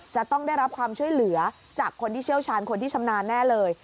จะต้องได้รับความช่วยเหลือจากคนที่เชี่ยวชาญคนที่ชำนาญแน่เลย